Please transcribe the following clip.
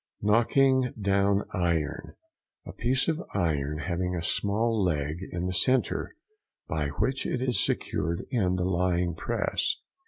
KNOCKING DOWN IRON.—A piece of iron having a small leg in the centre by which it is secured in the lying press.